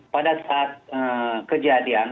pada saat kejadian